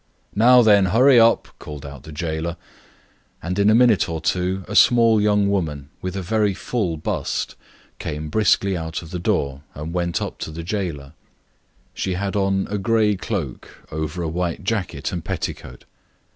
"Now, then, hurry up, Maslova, I say!" called out the jailer, and in a minute or two a small young woman with a very full bust came briskly out of the door and went up to the jailer. She had on a grey cloak over a white jacket and petticoat.